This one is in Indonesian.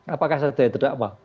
apakah sebagai terdakwa